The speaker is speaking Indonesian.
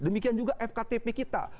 demikian juga fktp kita